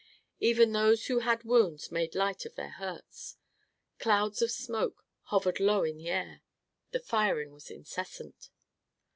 Even those who had wounds made light of their hurts. Clouds of smoke hovered low in the air; the firing was incessant.